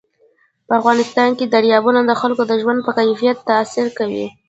په افغانستان کې دریابونه د خلکو د ژوند په کیفیت تاثیر کوي.